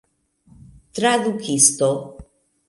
tradukisto